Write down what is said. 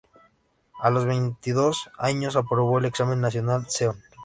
A los veintidós años aprobó el examen nacional Seon.